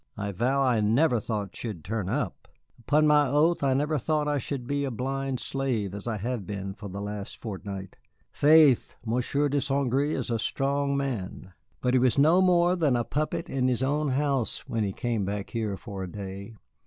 I vow I never thought she'd turn up. Upon my oath I never thought I should be such a blind slave as I have been for the last fortnight. Faith, Monsieur de St. Gré is a strong man, but he was no more than a puppet in his own house when he came back here for a day.